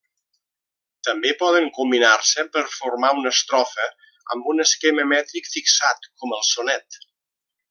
També poden combinar-se per formar una estrofa, amb un esquema mètric fixat, com el sonet.